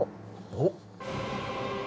おっ。